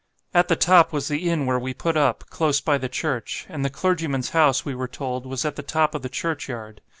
At the top was the inn where we put up, close by the church; and the clergyman's house, we were told, was at the top of the churchyard.